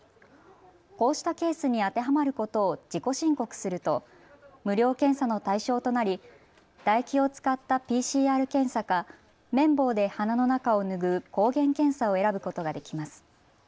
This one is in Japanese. こうしたケースに当てはまることを自己申告すると無料検査の対象となり、唾液を使ったＰＣＲ検査か、綿棒で鼻の中を拭う抗原検査を選ぶことができます。